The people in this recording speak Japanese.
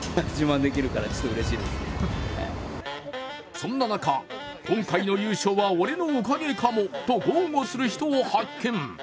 そんな中、今回の優勝は俺のおかげかもと豪語する人を発見。